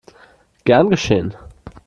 Gern geschehen!